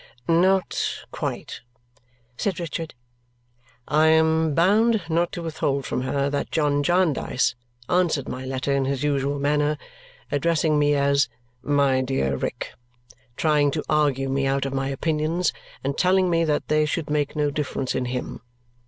"Not quite," said Richard. "I am bound not to withhold from her that John Jarndyce answered my letter in his usual manner, addressing me as 'My dear Rick,' trying to argue me out of my opinions, and telling me that they should make no difference in him.